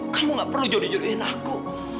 kamu gak perlu jodoh jodohin aku